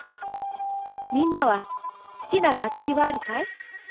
みんなはすきながっきはあるかい？